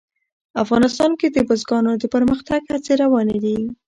افغانستان کې د بزګانو د پرمختګ هڅې روانې دي.